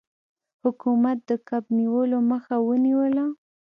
حکومت د کب نیولو مخه ونیوله.